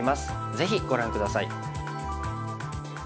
ぜひご覧下さい。